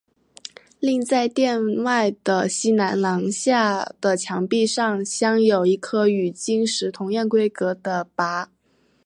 另在殿外的西南廊下的墙壁上镶有一块与经石同样规格的跋。